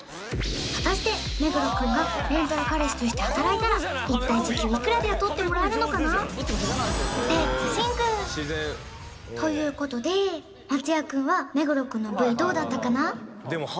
果たして目黒君がレンタル彼氏として働いたら一体時給いくらで雇ってもらえるのかな？ということで松也君は目黒君のＶどうだったかな？